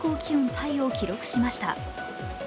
タイを記録しました。